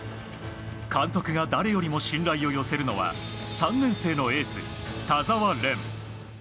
監督が誰よりも信頼を寄せるのは３年生のエース、田澤廉。